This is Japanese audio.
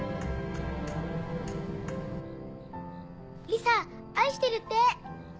リサ「愛してる」って！